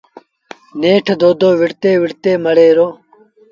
نيٺ دودو وڙهتي وڙهتي مري وُهڙو۔